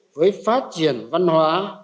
với phát triển văn hóa